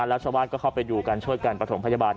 แล้วชาวบ้านก็เข้าไปดูกันช่วยกันประถมพยาบาล